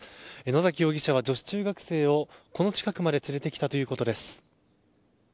野崎容疑者は、女子中学生をこの近くまで連れてきたということです。